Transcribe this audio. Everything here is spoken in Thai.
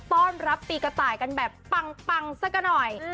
ต้อนรับปีกระต่ายกันแบบปังสักกันหน่อย